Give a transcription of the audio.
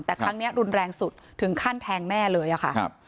แต่ครั้งนี้รุนแรงสุดถึงขั้นแทงแม่เลยอะค่ะ